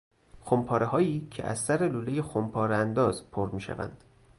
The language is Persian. خمپارههایی که از سر لولهی خمپاره انداز پر میشوند